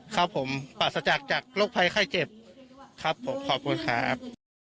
ครับผมปราศจากจากโรคภัยไข้เจ็บครับผมขอบคุณครับ